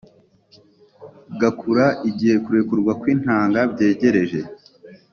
gakura igihe kurekurwa kw’intanga byegereje